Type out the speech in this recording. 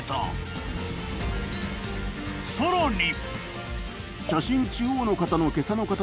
［さらに］